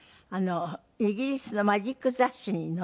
イギリスのマジック雑誌に載った。